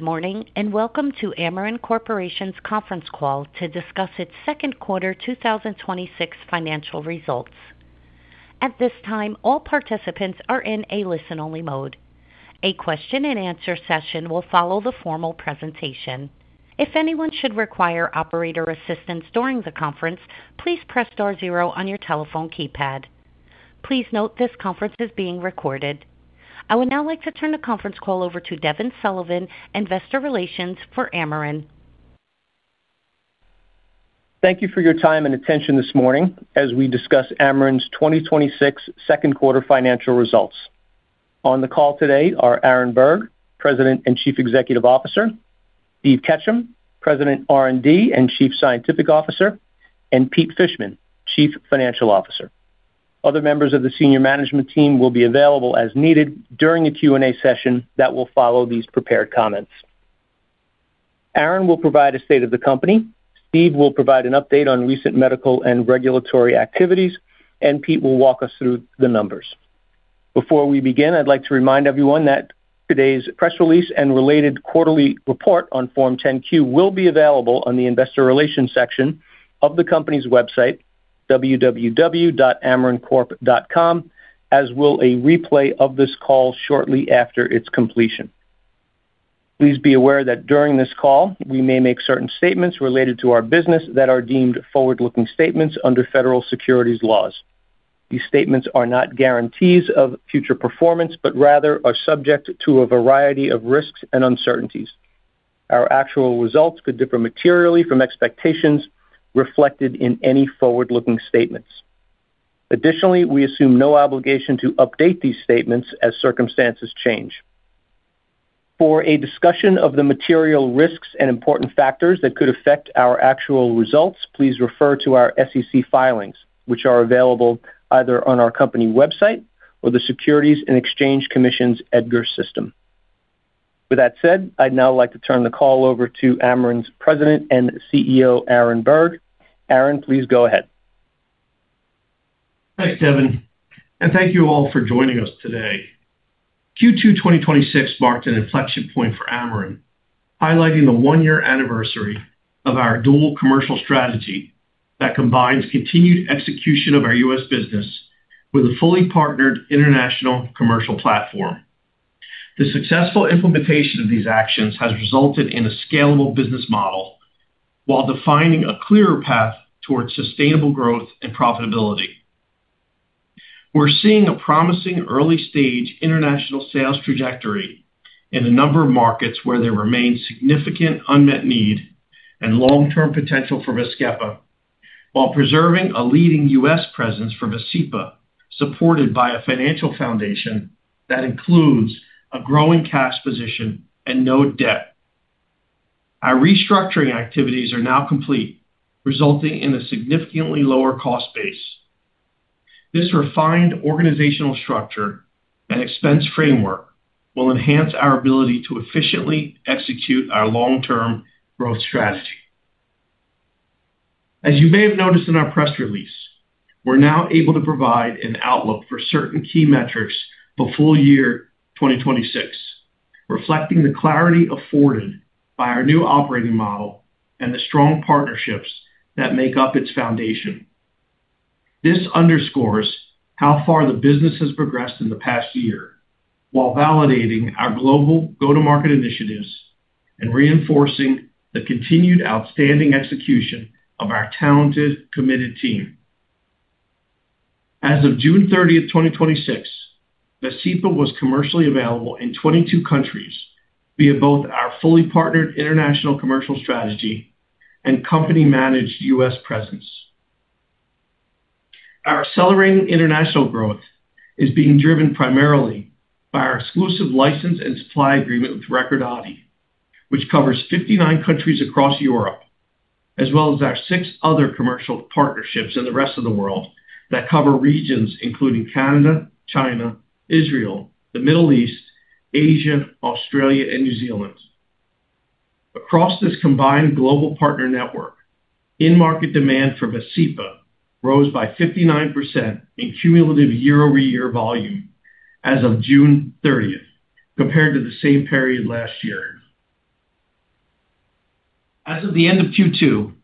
Morning, and welcome to Amarin Corporation's conference call to discuss its second quarter 2026 financial results. At this time, all participants are in a listen-only mode. A question and answer session will follow the formal presentation. If anyone should require operator assistance during the conference, please press star zero on your telephone keypad. Please note this conference is being recorded. I would now like to turn the conference call over to Devin Sullivan, investor relations for Amarin. Thank you for your time and attention this morning as we discuss Amarin's 2026 second quarter financial results. On the call today are Aaron Berg, President and Chief Executive Officer, Steven Ketchum, President, Research and Development, and Chief Scientific Officer, and Peter Fishman, Chief Financial Officer. Other members of the senior management team will be available as needed during the question-and-answer session that will follow these prepared comments. Aaron will provide a state of the company, Steve will provide an update on recent medical and regulatory activities, and Pete will walk us through the numbers. Before we begin, I'd like to remind everyone that today's press release and related quarterly report on Form 10-Q will be available on the investor relations section of the company's website, www.amarincorp.com, as will a replay of this call shortly after its completion. Please be aware that during this call, we may make certain statements related to our business that are deemed forward-looking statements under Federal Securities laws. These statements are not guarantees of future performance, but rather are subject to a variety of risks and uncertainties. Our actual results could differ materially from expectations reflected in any forward-looking statements. Additionally, we assume no obligation to update these statements as circumstances change. For a discussion of the material risks and important factors that could affect our actual results, please refer to our SEC filings, which are available either on our company website or the Securities and Exchange Commission's EDGAR system. With that said, I'd now like to turn the call over to Amarin's President and Chief Executive Officer, Aaron Berg. Aaron, please go ahead. Thanks, Devin. Thank you all for joining us today. Q2 2026 marked an inflection point for Amarin, highlighting the one-year anniversary of our dual commercial strategy that combines continued execution of our U.S. business with a fully partnered international commercial platform. The successful implementation of these actions has resulted in a scalable business model while defining a clearer path towards sustainable growth and profitability. We're seeing a promising early-stage international sales trajectory in a number of markets where there remains significant unmet need and long-term potential for VASCEPA while preserving a leading U.S. presence for VASCEPA, supported by a financial foundation that includes a growing cash position and no debt. Our restructuring activities are now complete, resulting in a significantly lower cost base. This refined organizational structure and expense framework will enhance our ability to efficiently execute our long-term growth strategy. As you may have noticed in our press release, we're now able to provide an outlook for certain key metrics for full year 2026, reflecting the clarity afforded by our new operating model and the strong partnerships that make up its foundation. This underscores how far the business has progressed in the past year while validating our global go-to-market initiatives and reinforcing the continued outstanding execution of our talented, committed team. As of June 30th, 2026, VASCEPA was commercially available in 22 countries via both our fully partnered international commercial strategy and company-managed U.S. presence. Our accelerating international growth is being driven primarily by our exclusive license and supply agreement with Recordati, which covers 59 countries across Europe, as well as our six other commercial partnerships in the rest of the world that cover regions including Canada, China, Israel, the Middle East, Asia, Australia, and New Zealand. Across this combined global partner network, in-market demand for VASCEPA rose by 59% in cumulative year-over-year volume as of June 30th, compared to the same period last year. As of the end of Q2,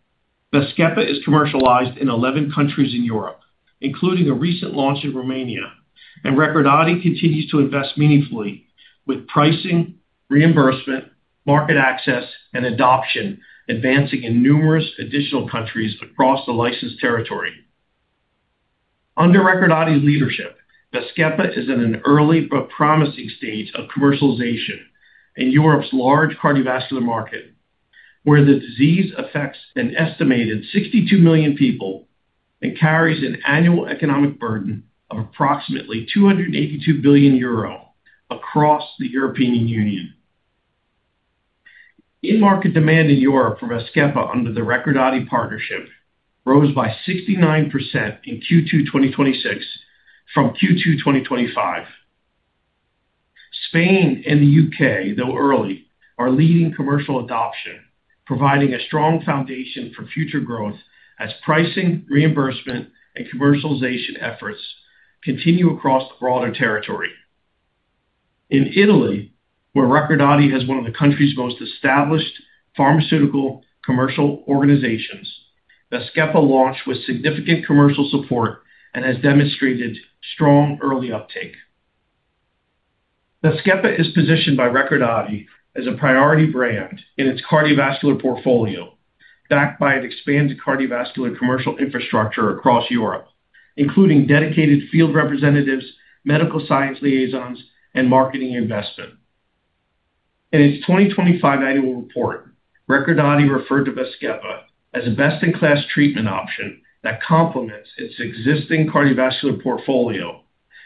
VASCEPA is commercialized in 11 countries in Europe, including a recent launch in Romania, and Recordati continues to invest meaningfully with pricing, reimbursement, market access, and adoption advancing in numerous additional countries across the licensed territory. Under Recordati's leadership, VASCEPA is at an early but promising stage of commercialization in Europe's large cardiovascular market, where the disease affects an estimated 62 million people and carries an annual economic burden of approximately 282 billion euro across the European Union. In-market demand in Europe for VASCEPA under the Recordati partnership rose by 69% in Q2 2026 from Q2 2025. Spain and the U.K., though early, are leading commercial adoption, providing a strong foundation for future growth as pricing, reimbursement, and commercialization efforts continue across the broader territory. In Italy, where Recordati has one of the country's most established pharmaceutical commercial organizations, VAZKEPA launched with significant commercial support and has demonstrated strong early uptake. VAZKEPA is positioned by Recordati as a priority brand in its cardiovascular portfolio, backed by an expanded cardiovascular commercial infrastructure across Europe, including dedicated field representatives, medical science liaisons, and marketing investment. In its 2025 annual report, Recordati referred to VAZKEPA as a best-in-class treatment option that complements its existing cardiovascular portfolio,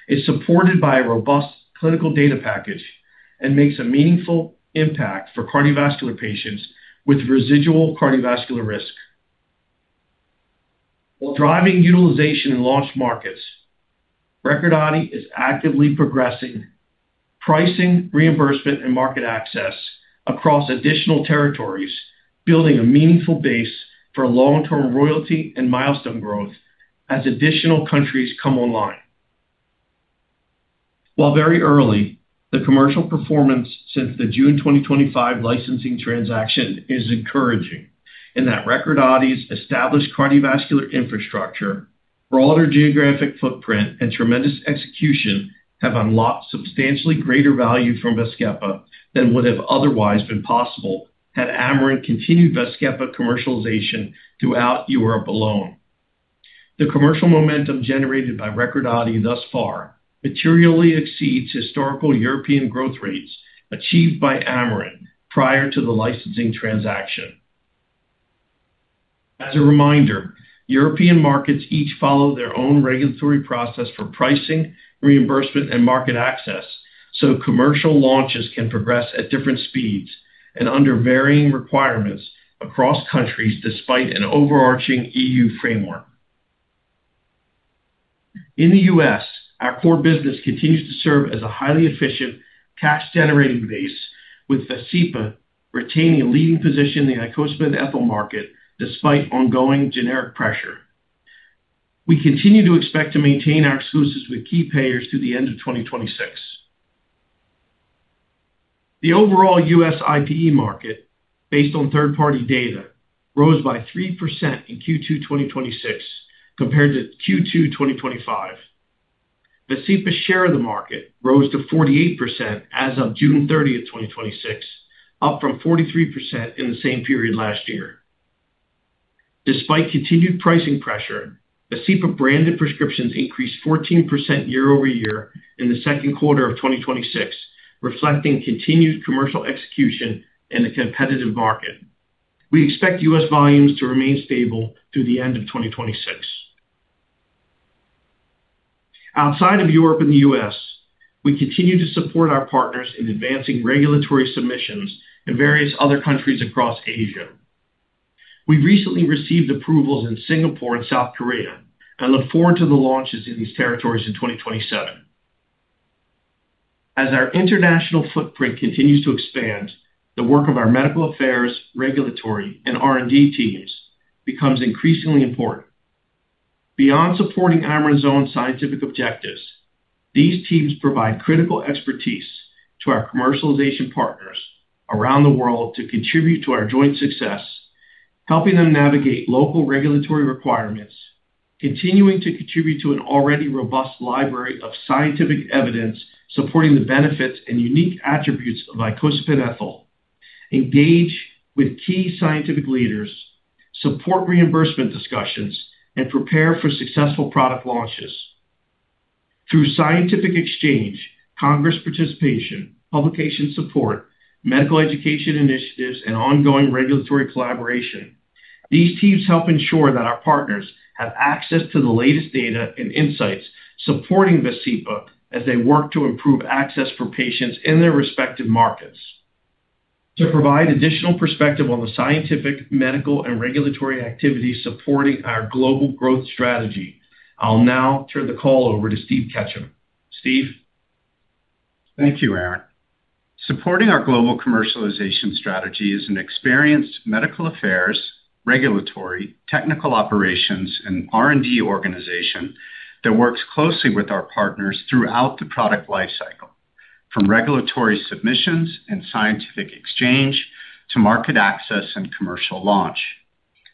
is supported by a robust clinical data package, and makes a meaningful impact for cardiovascular patients with residual cardiovascular risk. While driving utilization in launch markets, Recordati is actively progressing pricing, reimbursement, and market access across additional territories, building a meaningful base for long-term royalty and milestone growth as additional countries come online. While very early, the commercial performance since the June 2025 licensing transaction is encouraging in that Recordati's established cardiovascular infrastructure, broader geographic footprint, and tremendous execution have unlocked substantially greater value from VAZKEPA than would have otherwise been possible had Amarin continued VAZKEPA commercialization throughout Europe alone. The commercial momentum generated by Recordati thus far materially exceeds historical European growth rates achieved by Amarin prior to the licensing transaction. As a reminder, European markets each follow their own regulatory process for pricing, reimbursement, and market access, so commercial launches can progress at different speeds and under varying requirements across countries, despite an overarching EU framework. In the U.S., our core business continues to serve as a highly efficient, cash-generating base, with VASCEPA retaining a leading position in the icosapent ethyl market despite ongoing generic pressure. We continue to expect to maintain our exclusives with key payers through the end of 2026. The overall U.S. IPE market, based on third-party data, rose by 3% in Q2 2026 compared to Q2 2025. VASCEPA's share of the market rose to 48% as of June 30th, 2026, up from 43% in the same period last year. Despite continued pricing pressure, VASCEPA-branded prescriptions increased 14% year-over-year in the second quarter of 2026, reflecting continued commercial execution in a competitive market. We expect U.S. volumes to remain stable through the end of 2026. Outside of Europe and the U.S., we continue to support our partners in advancing regulatory submissions in various other countries across Asia. We've recently received approvals in Singapore and South Korea and look forward to the launches in these territories in 2027. As our international footprint continues to expand, the work of our medical affairs, regulatory, and R&D teams becomes increasingly important. Beyond supporting Amarin's own scientific objectives, these teams provide critical expertise to our commercialization partners around the world to contribute to our joint success, helping them navigate local regulatory requirements, continuing to contribute to an already robust library of scientific evidence supporting the benefits and unique attributes of icosapent ethyl, engage with key scientific leaders, support reimbursement discussions, and prepare for successful product launches. Through scientific exchange, congress participation, publication support, medical education initiatives, and ongoing regulatory collaboration, these teams help ensure that our partners have access to the latest data and insights supporting VASCEPA as they work to improve access for patients in their respective markets. To provide additional perspective on the scientific, medical, and regulatory activities supporting our global growth strategy, I'll now turn the call over to Steven Ketchum. Steve? Thank you, Aaron. Supporting our global commercialization strategy is an experienced medical affairs, regulatory, technical operations, and R&D organization that works closely with our partners throughout the product life cycle, from regulatory submissions and scientific exchange to market access and commercial launch.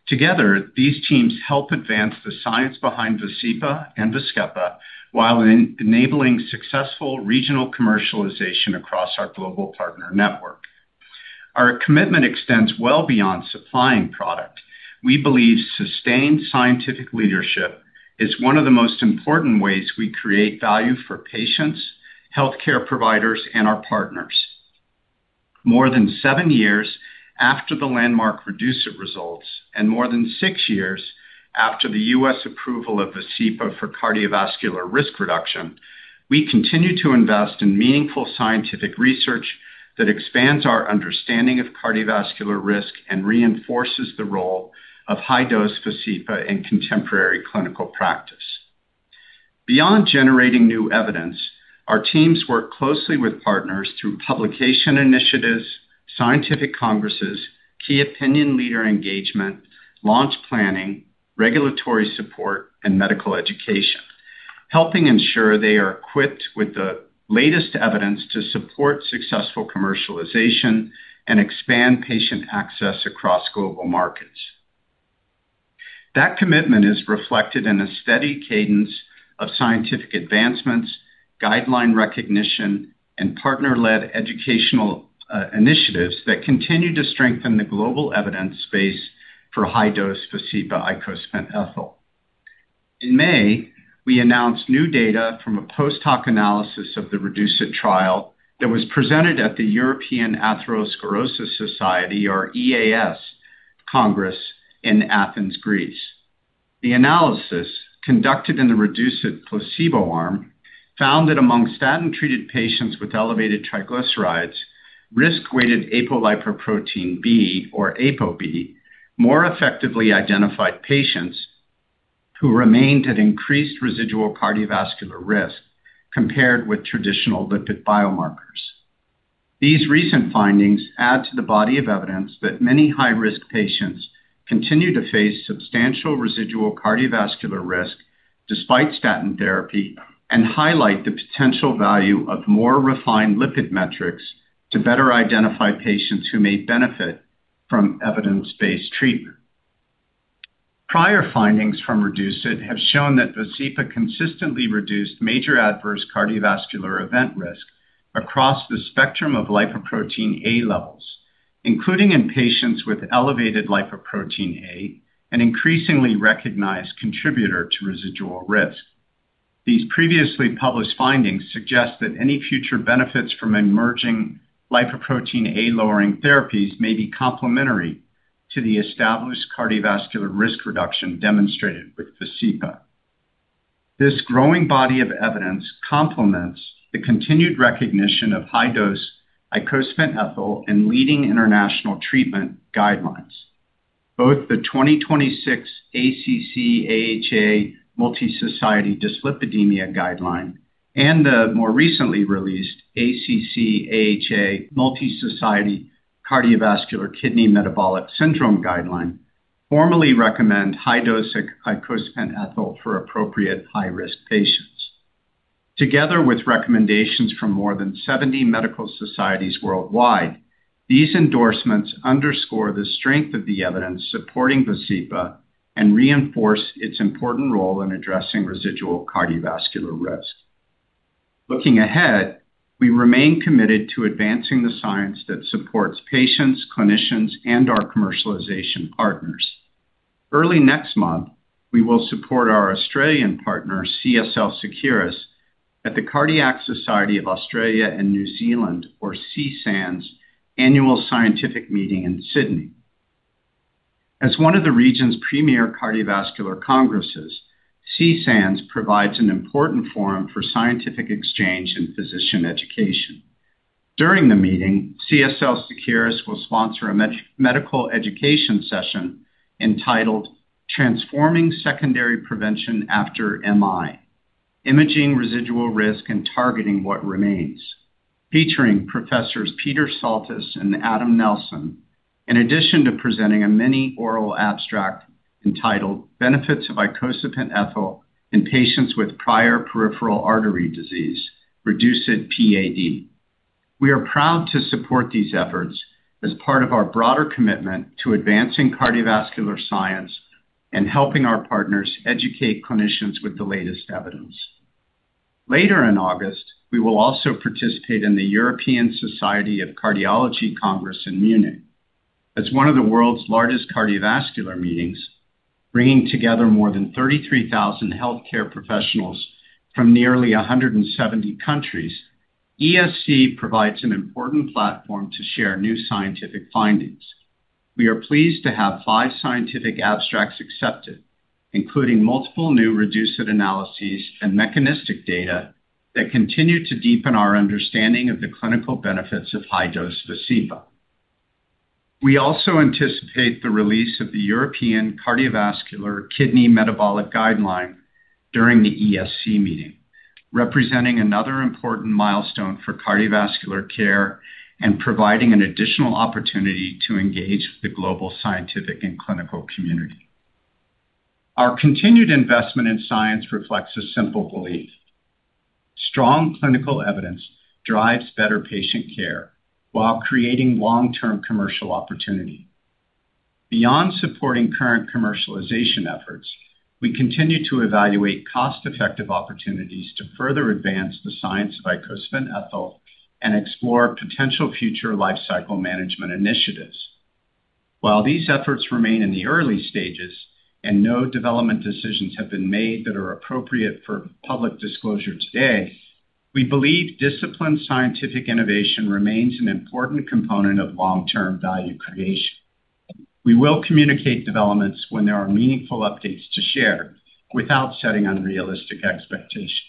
Together, these teams help advance the science behind VASCEPA and VAZKEPA while enabling successful regional commercialization across our global partner network. Our commitment extends well beyond supplying product. We believe sustained scientific leadership is one of the most important ways we create value for patients, healthcare providers, and our partners. More than seven years after the landmark REDUCE-IT results and more than six years after the U.S. approval of VASCEPA for cardiovascular risk reduction, we continue to invest in meaningful scientific research that expands our understanding of cardiovascular risk and reinforces the role of high-dose VASCEPA in contemporary clinical practice. Beyond generating new evidence, our teams work closely with partners through publication initiatives, scientific congresses, key opinion leader engagement, launch planning, regulatory support, and medical education, helping ensure they are equipped with the latest evidence to support successful commercialization and expand patient access across global markets. That commitment is reflected in a steady cadence of scientific advancements, guideline recognition, and partner-led educational initiatives that continue to strengthen the global evidence base for high-dose VASCEPA icosapent ethyl. In May, we announced new data from a post-hoc analysis of the REDUCE-IT trial that was presented at the European Atherosclerosis Society, or EAS, Congress in Athens, Greece. The analysis, conducted in the REDUCE-IT placebo arm, found that among statin-treated patients with elevated triglycerides, risk-weighted apolipoprotein B, or ApoB, more effectively identified patients who remained at increased residual cardiovascular risk compared with traditional lipid biomarkers. These recent findings add to the body of evidence that many high-risk patients continue to face substantial residual cardiovascular risk despite statin therapy and highlight the potential value of more refined lipid metrics to better identify patients who may benefit from evidence-based treatment. Prior findings from REDUCE-IT have shown that VASCEPA consistently reduced major adverse cardiovascular event risk across the spectrum of lipoprotein(a) levels, including in patients with elevated lipoprotein(a), an increasingly recognized contributor to residual risk. These previously published findings suggest that any future benefits from emerging lipoprotein(a)-lowering therapies may be complementary to the established cardiovascular risk reduction demonstrated with VASCEPA. This growing body of evidence complements the continued recognition of high-dose icosapent ethyl in leading international treatment guidelines. Both the 2026 ACC/AHA Multi-Society Dyslipidemia Guideline and the more recently released ACC/AHA Multi-Society Cardiovascular Kidney Metabolic Syndrome Guideline formally recommend high-dose icosapent ethyl for appropriate high-risk patients. Together with recommendations from more than 70 medical societies worldwide, these endorsements underscore the strength of the evidence supporting VASCEPA and reinforce its important role in addressing residual cardiovascular risk. Looking ahead, we remain committed to advancing the science that supports patients, clinicians, and our commercialization partners. Early next month, we will support our Australian partner, CSL Seqirus, at the Cardiac Society of Australia and New Zealand, or CSANZ, annual scientific meeting in Sydney. As one of the region's premier cardiovascular congresses, CSANZ provides an important forum for scientific exchange and physician education. During the meeting, CSL Seqirus will sponsor a medical education session entitled "Transforming Secondary Prevention After MI: Imaging Residual Risk and Targeting What Remains," featuring Professors Peter Psaltis and Adam Nelson, in addition to presenting a mini oral abstract entitled "Benefits of icosapent ethyl in Patients with Prior Peripheral Artery Disease REDUCE-IT PAD." We are proud to support these efforts as part of our broader commitment to advancing cardiovascular science and helping our partners educate clinicians with the latest evidence. Later in August, we will also participate in the European Society of Cardiology Congress in Munich. As one of the world's largest cardiovascular meetings, bringing together more than 33,000 healthcare professionals from nearly 170 countries, ESC provides an important platform to share new scientific findings. We are pleased to have five scientific abstracts accepted, including multiple new REDUCE-IT analyses and mechanistic data that continue to deepen our understanding of the clinical benefits of high-dose VASCEPA. We also anticipate the release of the European Cardiovascular Kidney Metabolic Guideline during the ESC meeting, representing another important milestone for cardiovascular care and providing an additional opportunity to engage with the global scientific and clinical community. Our continued investment in science reflects a simple belief: strong clinical evidence drives better patient care while creating long-term commercial opportunity. Beyond supporting current commercialization efforts, we continue to evaluate cost-effective opportunities to further advance the science of icosapent ethyl and explore potential future lifecycle management initiatives. While these efforts remain in the early stages and no development decisions have been made that are appropriate for public disclosure today, we believe disciplined scientific innovation remains an important component of long-term value creation. We will communicate developments when there are meaningful updates to share without setting unrealistic expectations.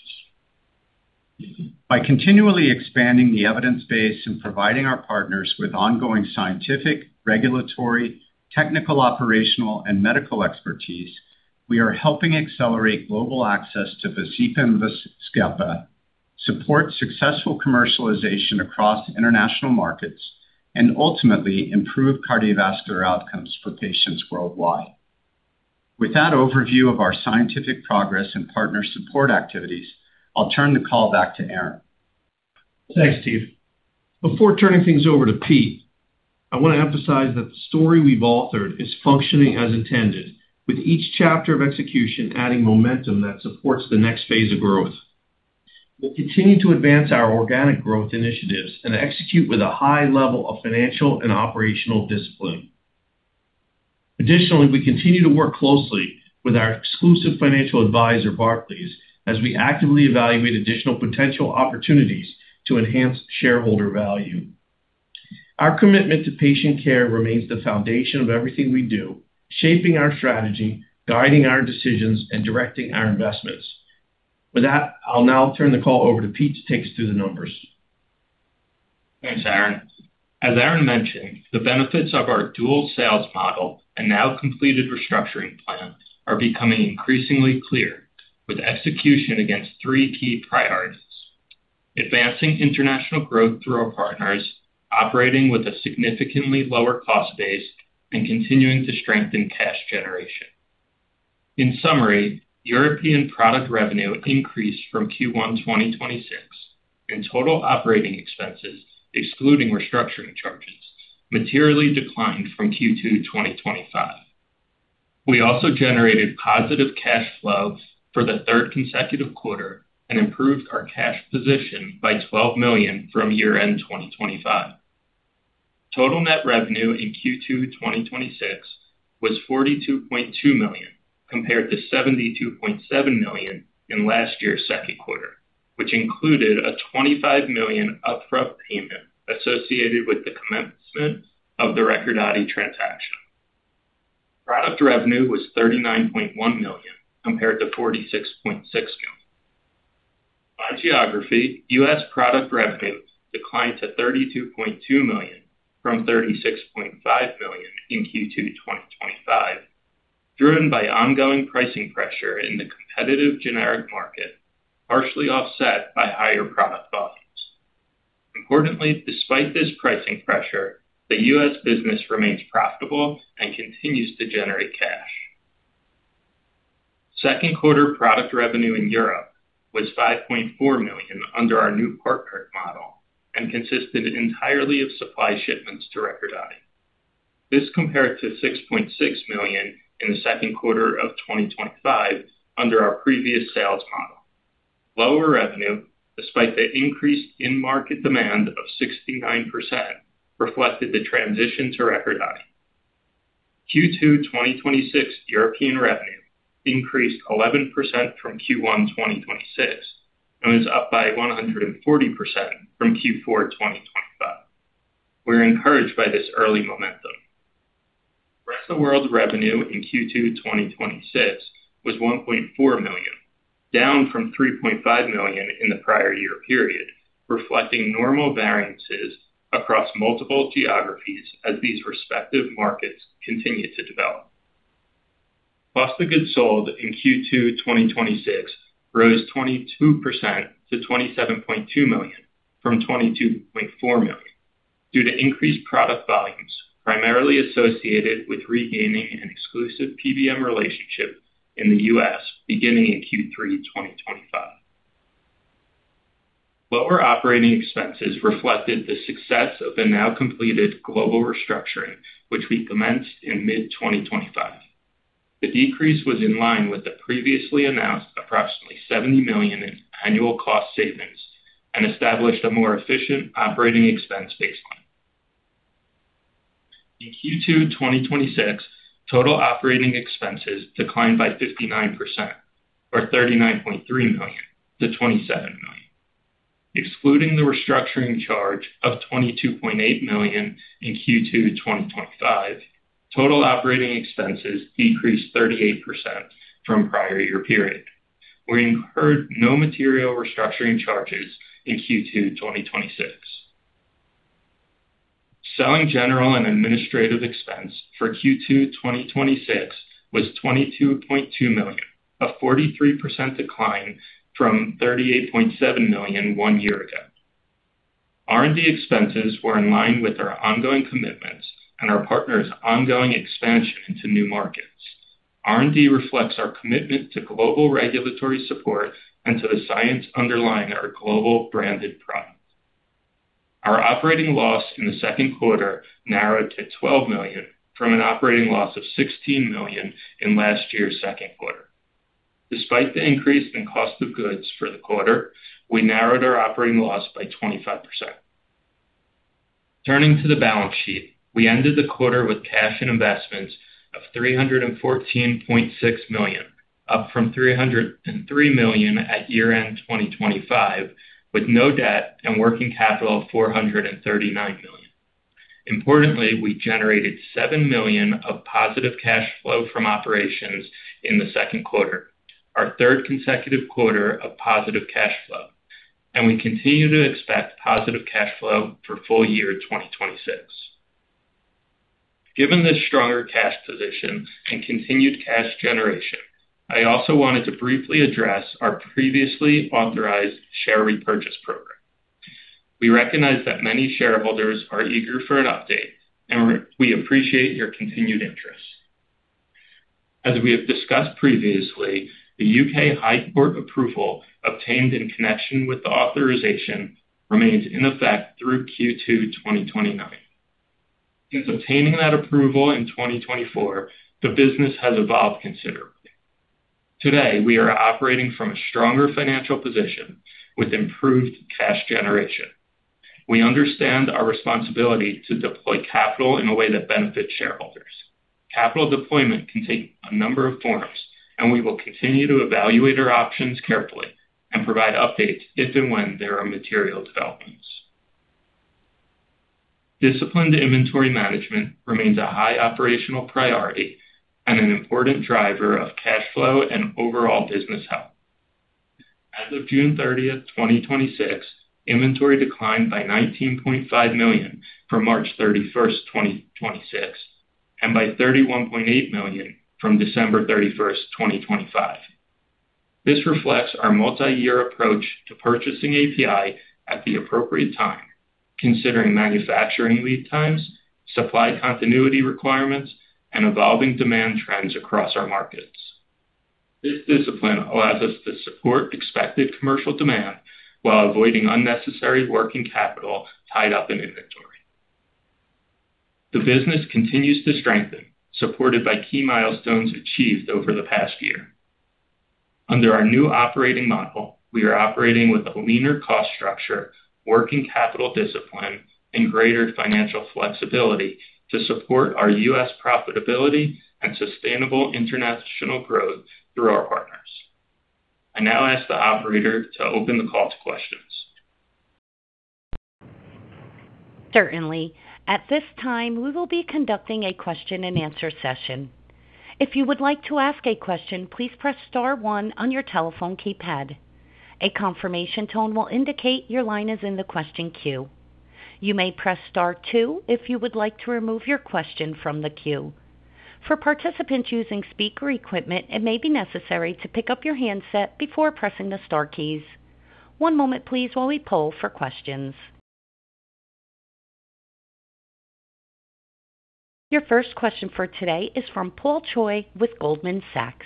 By continually expanding the evidence base and providing our partners with ongoing scientific, regulatory, technical, operational, and medical expertise, we are helping accelerate global access to VASCEPA and VASCEPA Support successful commercialization across international markets, ultimately improve cardiovascular outcomes for patients worldwide. With that overview of our scientific progress and partner support activities, I'll turn the call back to Aaron. Thanks, Steve. Before turning things over to Pete, I want to emphasize that the story we've authored is functioning as intended, with each chapter of execution adding momentum that supports the next phase of growth. We'll continue to advance our organic growth initiatives and execute with a high level of financial and operational discipline. Additionally, we continue to work closely with our exclusive financial advisor, Barclays, as we actively evaluate additional potential opportunities to enhance shareholder value. Our commitment to patient care remains the foundation of everything we do, shaping our strategy, guiding our decisions, and directing our investments. With that, I'll now turn the call over to Peter to take us through the numbers. Thanks, Aaron. As Aaron mentioned, the benefits of our dual sales model and now completed restructuring plan are becoming increasingly clear with execution against three key priorities: advancing international growth through our partners, operating with a significantly lower cost base, and continuing to strengthen cash generation. In summary, European product revenue increased from Q1 2026, total operating expenses, excluding restructuring charges, materially declined from Q2 2025. We also generated positive cash flows for the third consecutive quarter and improved our cash position by $12 million from year-end 2025. Total net revenue in Q2 2026 was $42.2 million, compared to $72.7 million in last year's second quarter, which included a $25 million upfront payment associated with the commencement of the Recordati transaction. Product revenue was $39.1 million, compared to $46.6 million. By geography, U.S. product revenues declined to $32.2 million from $36.5 million in Q2 2025, driven by ongoing pricing pressure in the competitive generic market, partially offset by higher product volumes. Importantly, despite this pricing pressure, the U.S. business remains profitable and continues to generate cash. Second quarter product revenue in Europe was $5.4 million under our new partner model and consisted entirely of supply shipments to Recordati. This compared to $6.6 million in the second quarter of 2025 under our previous sales model. Lower revenue, despite the increased in-market demand of 69%, reflected the transition to Recordati. Q2 2026 European revenue increased 11% from Q1 2026 and was up by 140% from Q4 2025. We are encouraged by this early momentum. Rest of world revenue in Q2 2026 was $1.4 million, down from $3.5 million in the prior year period, reflecting normal variances across multiple geographies as these respective markets continue to develop. Cost of goods sold in Q2 2026 rose 22% to $27.2 million from $22.4 million due to increased product volumes, primarily associated with regaining an exclusive PBM relationship in the U.S. beginning in Q3 2025. Lower operating expenses reflected the success of the now completed global restructuring, which we commenced in mid-2025. The decrease was in line with the previously announced approximately $70 million in annual cost savings and established a more efficient operating expense baseline. In Q2 2026, total operating expenses declined by 59%, or $39.3 million-$27 million. Excluding the restructuring charge of $22.8 million in Q2 2025, total operating expenses decreased 38% from prior year period. We incurred no material restructuring charges in Q2 2026. Selling general and administrative expense for Q2 2026 was $22.2 million, a 43% decline from $38.7 million one year ago. R&D expenses were in line with our ongoing commitments and our partners' ongoing expansion into new markets. R&D reflects our commitment to global regulatory support and to the science underlying our global branded products. Our operating loss in the second quarter narrowed to $12 million from an operating loss of $16 million in last year's second quarter. Despite the increase in cost of goods for the quarter, we narrowed our operating loss by 25%. Turning to the balance sheet, we ended the quarter with cash and investments of $314.6 million, up from $303 million at year-end 2025, with no debt and working capital of $439 million. Importantly, we generated $7 million of positive cash flow from operations in the second quarter, our third consecutive quarter of positive cash flow, and we continue to expect positive cash flow for full year 2026. Given this stronger cash position and continued cash generation, I also wanted to briefly address our previously authorized share repurchase program. We recognize that many shareholders are eager for an update, and we appreciate your continued interest. As we have discussed previously, the U.K. High Court approval obtained in connection with the authorization remains in effect through Q2 2029. Since obtaining that approval in 2024, the business has evolved considerably. Today, we are operating from a stronger financial position with improved cash generation. We understand our responsibility to deploy capital in a way that benefits shareholders. Capital deployment can take a number of forms, and we will continue to evaluate our options carefully and provide updates if and when there are material developments. Disciplined inventory management remains a high operational priority and an important driver of cash flow and overall business health. As of June 30th, 2026, inventory declined by $19.5 million from March 31st, 2026, and by $31.8 million from December 31st, 2025. This reflects our multi-year approach to purchasing API at the appropriate time, considering manufacturing lead times, supply continuity requirements, and evolving demand trends across our markets. This discipline allows us to support expected commercial demand while avoiding unnecessary working capital tied up in inventory. The business continues to strengthen, supported by key milestones achieved over the past year. Under our new operating model, we are operating with a leaner cost structure, working capital discipline, and greater financial flexibility to support our U.S. profitability and sustainable international growth through our partners. I now ask the operator to open the call to questions. Certainly. At this time, we will be conducting a question-and-answer session. If you would like to ask a question, please press star one on your telephone keypad. A confirmation tone will indicate your line is in the question queue. You may press star two if you would like to remove your question from the queue. For participants using speaker equipment, it may be necessary to pick up your handset before pressing the star keys. One moment, please, while we poll for questions. Your first question for today is from Paul Choi with Goldman Sachs.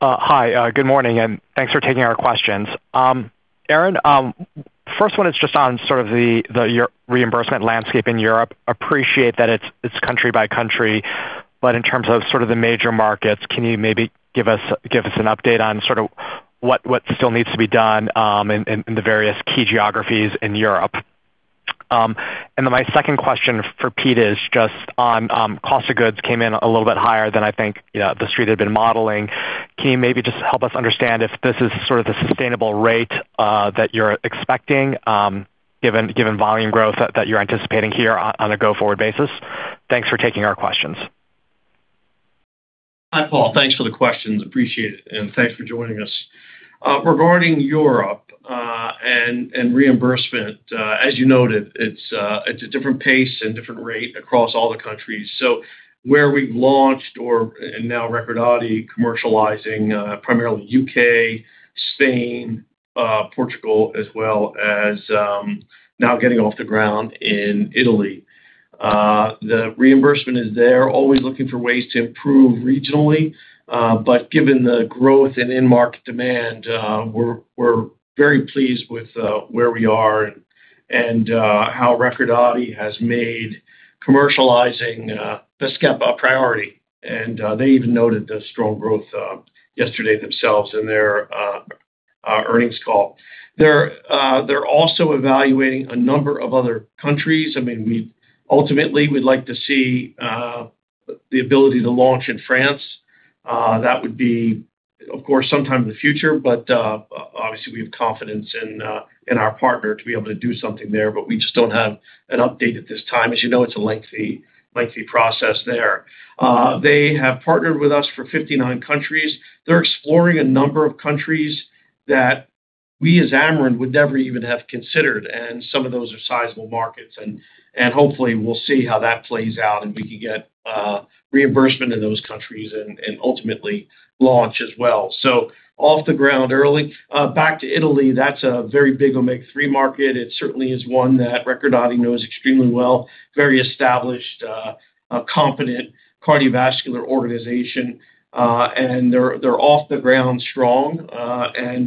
Hi. Good morning, and thanks for taking our questions. Aaron, first one is just on the reimbursement landscape in Europe. Appreciate that it's country by country, but in terms of the major markets, can you maybe give us an update on what still needs to be done in the various key geographies in Europe? My second question for Pete is just on cost of goods came in a little bit higher than I think the street had been modeling. Can you maybe just help us understand if this is the sustainable rate that you're expecting given volume growth that you're anticipating here on a go-forward basis? Thanks for taking our questions. Hi, Paul. Thanks for the questions, appreciate it. Thanks for joining us. Regarding Europe and reimbursement, as you noted, it's a different pace and different rate across all the countries. Where we've launched or, and now Recordati commercializing primarily U.K., Spain, Portugal, as well as now getting off the ground in Italy. The reimbursement is there, always looking for ways to improve regionally. Given the growth and in-market demand, we're very pleased with where we are and how Recordati has made commercializing VASCEPA a priority, and they even noted the strong growth yesterday themselves in their earnings call. They're also evaluating a number of other countries. Ultimately, we'd like to see the ability to launch in France. That would be, of course, sometime in the future, but obviously, we have confidence in our partner to be able to do something there, but we just don't have an update at this time. As you know, it's a lengthy process there. They have partnered with us for 59 countries. They're exploring a number of countries that we, as Amarin, would never even have considered, and some of those are sizable markets, and hopefully, we'll see how that plays out and we can get reimbursement in those countries and ultimately launch as well. Off the ground early. Back to Italy, that's a very big Omega-3 market. It certainly is one that Recordati knows extremely well, very established, competent cardiovascular organization. They're off the ground strong.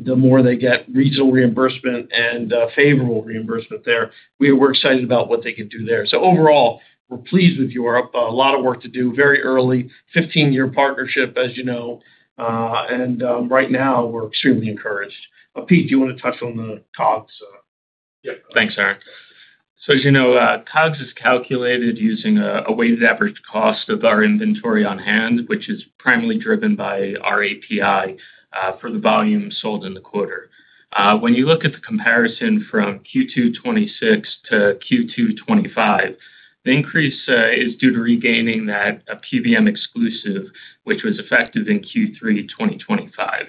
The more they get regional reimbursement and favorable reimbursement there, we're excited about what they can do there. Overall, we're pleased with Europe. A lot of work to do, very early, 15-year partnership, as you know. Right now, we're extremely encouraged. Pete, do you want to touch on the COGS? Thanks, Aaron. As you know, COGS is calculated using a weighted average cost of our inventory on hand, which is primarily driven by our API for the volume sold in the quarter. When you look at the comparison from Q2 2026-Q2 2025, the increase is due to regaining that PBM exclusive, which was effective in Q3 2025.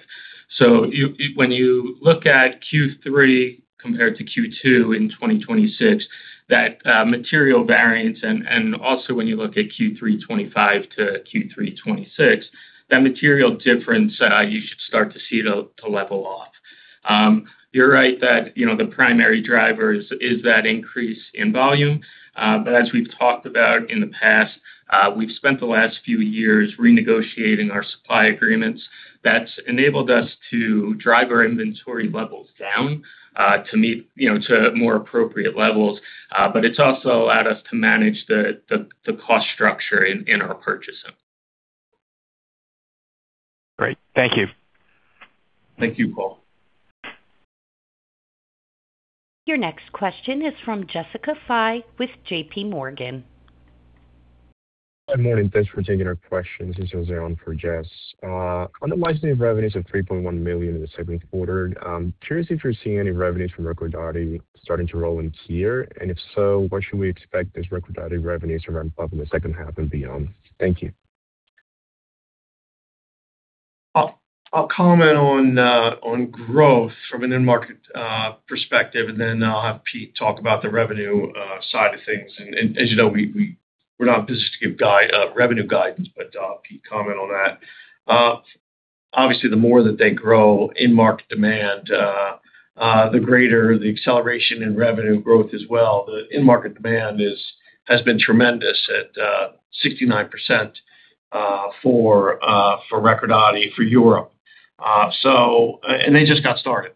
When you look at Q3 compared to Q2 in 2026, that material variance, and also when you look at Q3 2025-Q3 2026, that material difference, you should start to see it level off. You're right that the primary driver is that increase in volume. As we've talked about in the past, we've spent the last few years renegotiating our supply agreements. That's enabled us to drive our inventory levels down to more appropriate levels. It's also allowed us to manage the cost structure in our purchasing. Great. Thank you. Thank you, Paul. Your next question is from Jessica Fye with JPMorgan. Good morning. Thanks for taking our questions. This is Aaron for Jess. On the licensing revenues of 3.1 million in the second quarter, curious if you're seeing any revenues from Recordati starting to roll in here. If so, what should we expect those Recordati revenues to ramp up in the second half and beyond? Thank you. I'll comment on growth from an end market perspective, and then I'll have Pete talk about the revenue side of things. As you know, we're not in the business to give revenue guidance, but Pete can comment on that. Obviously, the more that they grow in market demand, the greater the acceleration in revenue growth as well. The end market demand has been tremendous at 69% for Recordati for Europe. They just got started.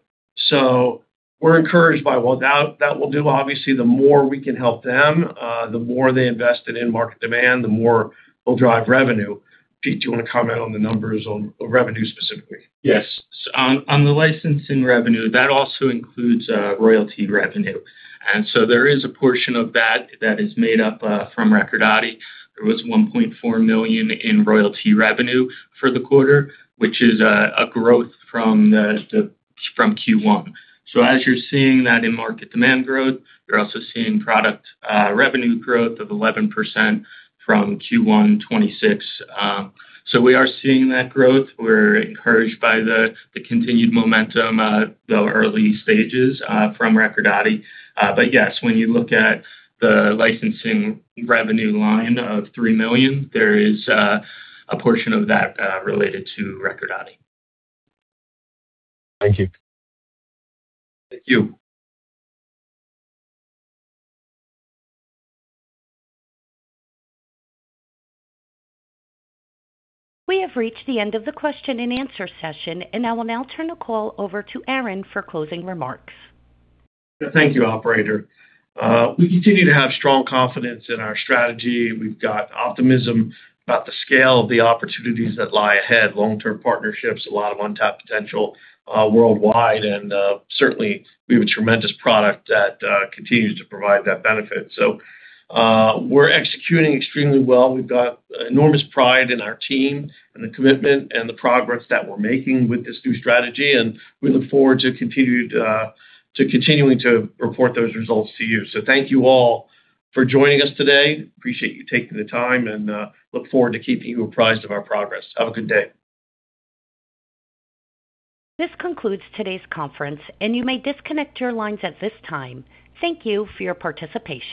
We're encouraged by what that will do. Obviously, the more we can help them, the more they invest in end market demand, the more we'll drive revenue. Pete, do you want to comment on the numbers on revenue specifically? Yes. On the licensing revenue, that also includes royalty revenue. There is a portion of that that is made up from Recordati. There was 1.4 million in royalty revenue for the quarter, which is a growth from Q1. As you're seeing that in-market demand growth, you're also seeing product revenue growth of 11% from Q1 2026. We are seeing that growth. We're encouraged by the continued momentum, though early stages from Recordati. Yes, when you look at the licensing revenue line of 3 million, there is a portion of that related to Recordati. Thank you. Thank you. We have reached the end of the question and answer session. I will now turn the call over to Aaron for closing remarks. Thank you, operator. We continue to have strong confidence in our strategy. We've got optimism about the scale of the opportunities that lie ahead, long-term partnerships, a lot of untapped potential worldwide. Certainly, we have a tremendous product that continues to provide that benefit. We're executing extremely well. We've got enormous pride in our team and the commitment and the progress that we're making with this new strategy. We look forward to continuing to report those results to you. Thank you all for joining us today. Appreciate you taking the time. Look forward to keeping you apprised of our progress. Have a good day. This concludes today's conference, and you may disconnect your lines at this time. Thank you for your participation.